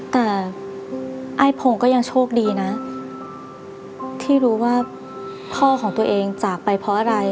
แต่ไอ้พงศ์ก็ยังโชคดีนะที่รู้ว่าพ่อของตัวเองจากไปเพราะอะไร